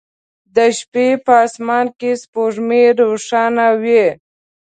د شپې په اسمان کې سپوږمۍ روښانه وي